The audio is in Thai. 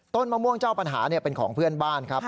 มะม่วงเจ้าปัญหาเป็นของเพื่อนบ้านครับ